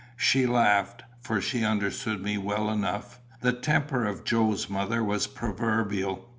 She laughed; for she understood me well enough. The temper of Joe's mother was proverbial.